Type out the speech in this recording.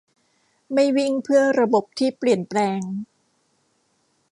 ไม่วิ่งเพื่อระบบที่เปลี่ยนแปลง